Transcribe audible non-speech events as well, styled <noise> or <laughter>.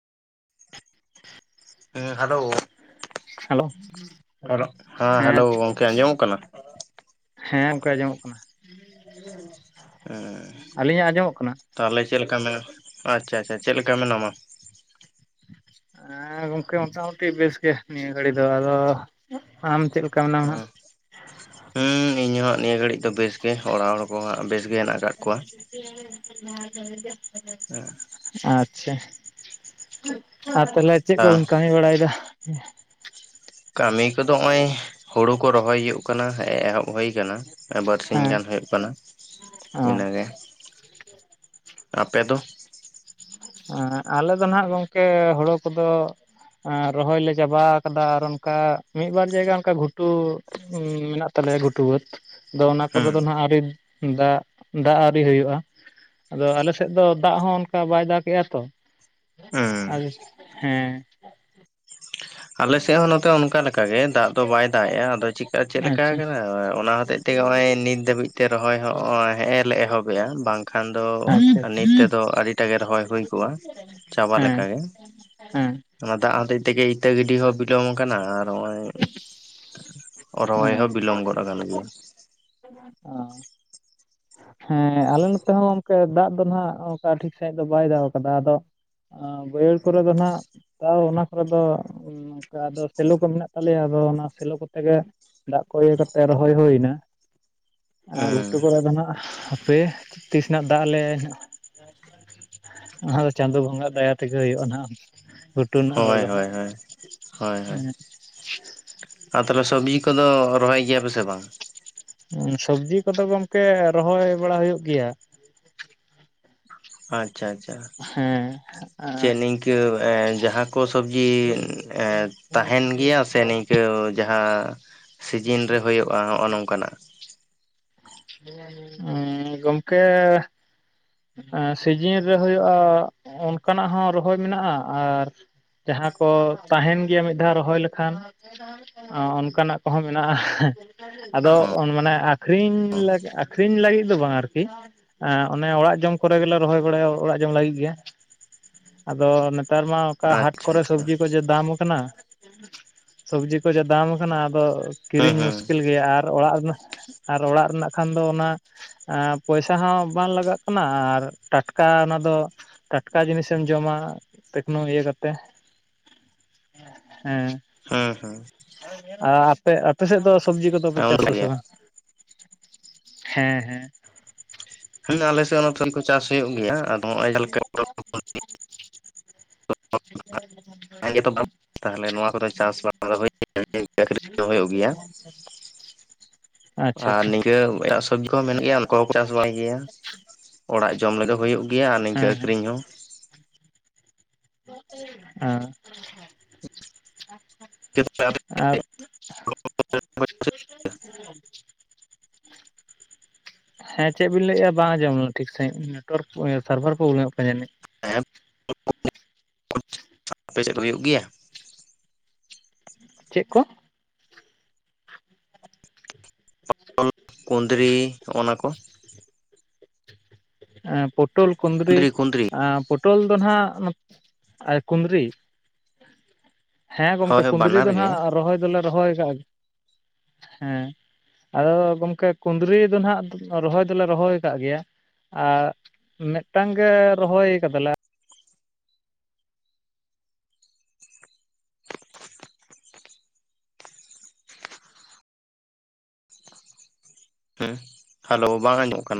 ᱦᱮᱸ ᱦᱟᱫᱳ ᱦᱟᱞᱳ ᱦᱮᱸ ᱦᱮᱸᱻ᱾ ᱦᱮᱞᱳ ᱜᱚᱝᱠᱮ ᱟᱸᱡᱚᱢᱚᱜ ᱠᱟᱱᱟ ᱦᱮᱸ ᱚᱱᱠᱟ ᱟᱸᱡᱚᱢᱚᱜ ᱠᱟᱱᱟ᱾ ᱦᱮᱸ ᱟᱹᱞᱤᱧᱟᱜ ᱟᱸᱡᱚᱢᱚᱜ ᱠᱟᱱᱟ? ᱛᱟᱦᱚᱞᱮ ᱪᱮᱫ ᱞᱮᱠᱟ ᱢᱮᱱᱟ, ᱟᱪᱪᱷᱟ ᱟᱪᱪᱷᱟ ᱪᱮᱫᱞᱮᱠᱟ ᱢᱮᱱᱟᱢᱟ? ᱮᱸ ᱜᱚᱝᱠᱮ ᱢᱚᱴᱟᱢᱩᱴᱤ ᱵᱮᱥ ᱜᱮ ᱱᱤᱭᱟᱹ ᱜᱷᱟᱹᱲᱤ ᱫᱚ᱾ ᱟᱫᱚ ᱟᱢ ᱪᱮᱫ ᱞᱮᱠᱟ ᱢᱮᱱᱟᱢᱟ ᱚ ᱦᱟᱸᱜ? ᱦᱩᱸ ᱤᱧ ᱦᱚᱸ ᱱᱤᱭᱟᱹ ᱜᱷᱟᱹᱲᱤᱡ ᱫᱚ ᱵᱮᱥ ᱜᱮ᱾ ᱚᱲᱟᱜ ᱦᱚᱲ ᱠᱚᱦᱟᱸᱜ ᱵᱮᱥ ᱜᱮ ᱦᱮᱱᱟᱜ ᱟᱠᱟᱫ ᱠᱚᱣᱟ᱾ <unintelligible> ᱦᱮᱸ᱾ ᱟᱪᱪᱷᱟ, ᱟᱨ ᱛᱟᱦᱚᱞᱮ ᱪᱮᱫ ᱟᱨ ᱠᱚᱵᱮᱱ ᱠᱟᱹᱢᱤ ᱵᱟᱲᱟᱭᱮᱫᱟ? ᱠᱟᱹᱢᱤ ᱠᱚᱫᱚ ᱦᱚᱜ-ᱚᱭ ᱦᱳᱲᱳ ᱠᱚ ᱨᱚᱦᱚᱭ ᱦᱩᱭᱩᱜ ᱠᱟᱱᱟ ᱦᱮᱜ-ᱮ ᱮᱦᱚᱵ ᱦᱩᱭ ᱟᱠᱟᱱᱟ᱾ ᱵᱟᱨᱥᱤᱧ ᱦᱮᱸ ᱜᱟᱱ ᱦᱩᱭᱩᱜ ᱠᱟᱱᱟ ᱚ ᱤᱱᱟᱹᱜᱮ ᱟᱯᱮ ᱫᱚ? ᱮᱸᱻ ᱟᱞᱮ ᱫᱚ ᱱᱟᱦᱟᱸᱜ ᱜᱚᱢᱠᱮ ᱦᱳᱲᱳ ᱠᱚᱫᱚ ᱮᱸ ᱨᱚᱦᱚᱭ ᱞᱮ ᱪᱟᱵᱟᱣ ᱠᱟᱫᱟ, ᱟᱨ ᱚᱱᱠᱟ ᱢᱤᱫ ᱵᱟᱨ ᱡᱟᱭᱜᱟ ᱚᱱᱠᱟ ᱜᱷᱩᱴᱩ ᱩᱸᱻ ᱢᱮᱱᱟᱜ ᱛᱟᱞᱮᱭᱟ ᱜᱷᱩᱴᱩ ᱵᱟᱛᱹ᱾ ᱟᱫᱚ ᱚᱱᱟ ᱠᱚᱨᱮ ᱦᱩᱸ ᱫᱚ ᱱᱟᱦᱟᱸᱜ ᱟᱹᱣᱨᱤ ᱫᱟᱜ ᱫᱟᱜ ᱟᱹᱣᱨᱤ ᱦᱩᱭᱩᱜ-ᱟ᱾ ᱟᱫᱚ ᱟᱞᱮᱥᱮᱫ ᱫᱚ ᱫᱟᱜ ᱦᱚᱸ ᱚᱱᱠᱟ ᱵᱟᱭ ᱫᱟᱜ ᱠᱮᱭᱟ ᱛᱚ ᱦᱩᱸ <unintelligible> ᱦᱮᱸ᱾ ᱟᱞᱮᱥᱮᱜ ᱦᱚᱸ ᱱᱚᱛᱮ ᱚᱱᱠᱟ ᱞᱮᱠᱟᱜᱮ, ᱫᱟᱜ ᱫᱚ ᱵᱟᱭ ᱫᱟᱜ ᱮᱜ-ᱟ᱾ ᱟᱫᱚ ᱪᱮᱠᱟ ᱪᱮᱞᱠᱟ ᱟᱪᱪᱷᱟ ᱟᱠᱟᱜ-ᱟᱭ ᱚᱱᱟ ᱦᱚᱛᱮᱡ ᱛᱮ ᱦᱚᱜ-ᱚᱭ ᱱᱤᱛ ᱫᱷᱟᱹᱵᱤᱡ ᱛᱮ ᱨᱚᱦᱚᱭ ᱦᱚᱜ-ᱚᱭ ᱦᱮᱸᱜ- ᱮ ᱞᱮ ᱮᱦᱚᱵᱮᱜ-ᱟ᱾ ᱵᱟᱝ ᱠᱷᱟᱱ ᱫᱚ ᱟᱪᱪᱷᱟ ᱟᱪᱪᱷᱟ ᱱᱤᱛ ᱛᱮᱫᱚ ᱟᱹᱰᱤ ᱴᱟᱜᱮ ᱨᱚᱦᱚᱭ ᱦᱩᱭ ᱠᱚᱜ-ᱟ, ᱪᱟᱵᱟ ᱦᱮᱸ ᱞᱮᱠᱟᱜᱮ᱾ ᱦᱮᱸ ᱚᱱᱟ ᱫᱟᱜ ᱦᱚᱛᱮᱡ ᱛᱮᱜᱮ ᱤᱛᱟᱹ ᱜᱤᱰᱤ ᱦᱚᱸ ᱵᱤᱞᱚᱢ ᱟᱠᱟᱱᱟ᱾ ᱟᱨ ᱱᱚᱜᱚᱭ ᱨᱚᱦᱚᱭ ᱦᱮᱸ ᱦᱚᱸ ᱵᱤᱞᱚᱢ ᱜᱚᱫ ᱟᱠᱟᱱ ᱜᱮᱭᱟ᱾ ᱚ ᱦᱮᱸ ᱟᱞᱮ ᱱᱚᱛᱮ ᱦᱚᱸ ᱜᱚᱝᱠᱮ ᱫᱟᱜ ᱫᱚ ᱱᱟᱜ ᱚᱱᱠᱟ ᱴᱷᱤᱠ ᱥᱟᱺᱦᱤᱡ ᱫᱚ ᱵᱟᱭ ᱫᱟᱜ ᱠᱟᱫᱟ ᱟᱫᱚ ᱟ ᱵᱟᱹᱭᱦᱟᱹᱲ ᱠᱚᱨᱮ ᱫᱚ ᱱᱟᱜ ᱛᱟᱣ ᱚᱱᱟ ᱠᱚᱨᱮ ᱫᱚ ᱚᱱᱠᱟ ᱟᱫᱚ ᱥᱮᱞᱚ ᱠᱚ ᱢᱮᱱᱟᱜ ᱛᱟᱞᱮᱭᱟ ᱟᱫᱚ ᱚᱱᱟ ᱥᱮᱞᱚ ᱠᱚᱛᱮ ᱜᱮ ᱫᱟᱜ ᱠᱚ ᱤᱭᱟᱹ ᱠᱟᱛᱮ ᱨᱚᱦᱚᱭ ᱦᱳᱭᱱᱟ ᱟᱨ ᱦᱩᱸ ᱜᱷᱩᱴᱩ ᱠᱚᱨᱮ ᱫᱚ ᱱᱟᱜ ᱦᱟᱯᱮ ᱛᱤᱥ ᱱᱟᱜ ᱫᱟᱜ ᱟᱞᱮ ᱟ ᱫᱚ ᱪᱟᱸᱫᱚ ᱵᱚᱸᱜᱟ ᱫᱟᱭᱟ ᱛᱮᱜᱮ ᱦᱚᱭᱳᱜ-ᱟ ᱱᱟᱜ ᱜᱷᱩᱴ ᱦᱚᱭ ᱦᱚᱭ ᱦᱚᱭ ᱦᱚᱭ ᱦᱚᱭ <unintelligible> ᱟᱨ ᱛᱟᱦᱚᱞᱮ ᱥᱚᱵᱡᱤ ᱠᱚᱫᱚ ᱨᱚᱦᱚᱭ ᱜᱮᱭᱟ ᱯᱮᱥᱮ ᱵᱟᱝ? ᱥᱚᱵᱡᱤ ᱠᱚᱫᱚ ᱜᱚᱝᱠᱮ ᱨᱚᱦᱚᱭ ᱵᱟᱲᱟ ᱦᱚᱭᱳᱜ ᱜᱮᱭᱟ᱾ ᱟᱪᱪᱷᱟ ᱟᱪᱪᱷᱟ ᱦᱮᱸ ᱪᱮᱫ ᱱᱤᱝ ᱤᱭᱟ. ᱮ ᱡᱟᱦᱟᱸ ᱠᱚ ᱥᱚᱵᱡᱤ ᱛᱟᱦᱮᱱ ᱜᱮᱭᱟ ᱥᱮ ᱮ ᱱᱤᱝᱠᱟᱹ ᱡᱟᱦᱟᱸ ᱥᱤᱡᱤᱱ ᱨᱮ ᱦᱚᱭᱳᱜ-ᱟ ᱱᱚᱜᱚᱭ ᱱᱚᱝᱠᱟᱱᱟᱜ <inaudible> ᱮ ᱜᱚᱝᱠᱮ ᱥᱤᱡᱤᱱ ᱨᱮ ᱦᱚᱭᱳᱜ-ᱟ ᱚᱱᱠᱟᱱᱟᱜ ᱦᱚᱸ ᱨᱚᱦᱚᱭ ᱢᱮᱱᱟᱜ-ᱟ ᱟᱨ ᱡᱟᱦᱟᱸ ᱠᱚ ᱛᱟᱦᱮᱱ ᱜᱮᱭᱟ ᱢᱤᱫ ᱫᱷᱟᱣ ᱨᱚᱦᱚᱭ ᱞᱮᱠᱷᱟᱱ ᱟ ᱚᱱᱠᱟᱱᱟᱜ ᱠᱚᱦᱚᱸ ᱢᱮᱱᱟᱜ-ᱟ ᱟᱫᱚ ᱚ ᱢᱟᱱᱮ ᱟᱠ ᱠᱷᱨᱤᱧ ᱞᱟᱠ ᱟᱠᱷᱨᱤᱧ ᱞᱟᱹᱜᱤᱫ ᱫᱚ ᱵᱟᱝ ᱟᱨᱠᱤ ᱟ ᱚᱱᱮ ᱚᱲᱟᱜ ᱡᱚᱢ ᱠᱚᱨᱮ ᱜᱮᱞᱮ ᱨᱚᱦᱚᱭ ᱵᱟᱲᱟᱭᱟ ᱚᱲᱟᱜ ᱡᱚᱝ ᱞᱟᱹᱜᱤᱫ ᱜᱮ ᱟᱫᱚ ᱱᱮᱛᱟᱨ ᱢᱟ ᱚᱠᱟ ᱦᱟᱴ ᱟᱪᱪᱷᱟ ᱠᱚᱨᱮ ᱥᱚᱵᱡᱤ ᱠᱚ ᱡᱮ ᱫᱟᱢ ᱟᱠᱟᱱᱟ ᱥᱚᱵᱡᱤ ᱠᱚ ᱡᱮ ᱫᱟᱢ ᱟᱠᱟᱱᱟ ᱟᱫᱚ ᱦᱩᱸ ᱠᱤᱨᱤᱧ ᱦᱩᱸ ᱢᱩᱥᱠᱤᱞ ᱜᱮᱭᱟ ᱟᱨ ᱟᱨ ᱚᱲᱟᱜ ᱨᱮᱱᱟᱜ ᱟᱨ ᱚᱲᱟᱜ ᱨᱮᱱᱟᱜ ᱠᱷᱟᱱ ᱫᱚ ᱚᱱᱟ ᱯᱚᱭᱥᱟ ᱦᱚᱸ ᱵᱟᱝ ᱞᱟᱜᱟᱜ ᱠᱟᱱᱟ ᱟᱨ ᱴᱟᱴᱠᱟ ᱚᱱᱟ ᱫᱚ ᱴᱟᱴᱠᱟ ᱡᱤᱱᱤᱥᱮᱢ ᱡᱚᱢᱟ ᱛᱮᱠᱱᱳ ᱤᱭᱟᱹ ᱠᱟᱛᱮ ᱦᱮᱸ ᱦᱮᱸ ᱦᱮᱸ ᱟ ᱟᱯᱮ ᱟᱯᱮ ᱥᱮᱫ ᱫᱚ ᱥᱚᱵᱽᱡᱤ ᱠᱚᱫᱚ ᱯᱮ ᱦᱩᱸ ᱚᱱᱠᱟ ᱪᱟᱥᱟᱥᱮ ᱜᱮ ᱵᱟᱝ? ᱦᱮᱸ ᱦᱮᱸ ᱦᱮᱸ ᱟᱞᱮ ᱥᱮᱫ ᱦᱚ ᱱᱚᱛᱮ ᱠᱚ ᱪᱟᱥ ᱦᱚᱭᱳᱜ ᱜᱮᱭᱟ ᱟᱫᱚ <inaudible> <inaudible> ᱛᱟᱦᱚᱞᱮ ᱱᱚᱣᱟ ᱠᱚᱫᱚ ᱪᱟᱥᱵᱟᱥ <inaudible> <inaudible> ᱦᱚᱭᱳᱜ ᱜᱮᱭᱟ ᱟᱪᱪᱷᱟ ᱟᱨ ᱟᱪᱪᱷᱟ ᱱᱤᱝᱠᱟᱹ ᱮᱴᱟᱜ ᱥᱚᱵᱡᱤ ᱦᱚᱸ ᱢᱮᱱᱟᱜ ᱜᱮᱭᱟ ᱩᱱᱠᱩ ᱦᱚᱸᱠᱚ ᱪᱟᱥ ᱵᱟᱭ ᱜᱮᱭᱟ ᱚᱲᱟᱜ ᱡᱚᱢ ᱞᱟᱹᱜᱤᱫ ᱦᱚ ᱦᱚᱭᱳᱜ ᱜᱮᱭᱟ ᱟᱨ ᱱᱤᱝᱠᱟᱹ ᱦᱮᱸ ᱟᱠᱷᱨᱤᱧ ᱦᱚᱸ ᱦᱮ <inaudible> ᱟᱯ <unintelligible> ᱦᱮᱸ ᱪᱮᱫ ᱵᱤᱱ ᱞᱟᱹᱭᱮᱜ-ᱟ ᱵᱟᱝ ᱟᱸᱡᱚᱢ ᱞᱮᱱᱟ ᱴᱷᱤᱠ ᱥᱟᱦᱤᱡ ᱱᱮᱴᱳᱣᱟᱨᱠ ᱥᱟᱨᱵᱷᱟᱨ ᱯᱨᱚᱵᱞᱮᱢᱚᱜ ᱠᱟᱱᱟ ᱡᱟᱹᱱᱤᱡ <inaudible> ᱯᱮ ᱥᱮᱫ ᱦᱩᱭᱩᱜ ᱜᱮᱭᱟ ᱪᱮᱫ ᱠᱚ? ᱚᱞ ᱠᱩᱸᱫᱽᱨᱤ ᱱᱚᱜᱚ ᱱᱟ ᱠᱚ ᱯᱚᱴᱚᱞ ᱠᱩᱸᱫᱽᱨᱤ ᱯᱚᱴᱚᱞ ᱫᱚ ᱱᱟᱜ ᱠᱩᱸᱫᱽᱨᱤ ᱦᱮᱸ ᱜᱚᱢᱠᱮ ᱦᱳᱭ ᱠᱩᱫᱽᱨᱤ ᱵᱟᱱᱟᱨ ᱫᱚ ᱜᱮ ᱦᱟᱜ ᱨᱚᱦᱚᱭ ᱫᱚᱞᱮ ᱨᱚᱦᱚᱭ ᱠᱟᱜ ᱦᱮᱸ ᱟᱫᱚ ᱜᱚᱢᱠᱮ ᱠᱩᱫᱽᱨᱤ ᱫᱚ ᱱᱟᱜ ᱨᱚᱦᱚᱭ ᱫᱚᱞᱮ ᱨᱚᱦᱚᱭ ᱟᱠᱟᱜ ᱜᱮᱭᱟ ᱟᱨ ᱢᱮᱫ ᱴᱟᱝ ᱜᱮ ᱨᱚᱦᱚᱭ ᱠᱟᱫᱟ ᱞᱮ᱾ ᱦᱮᱸ ᱦᱮᱞᱳ ᱵᱟᱝ ᱟᱡᱚᱢᱚᱜ ᱠᱟᱱᱟ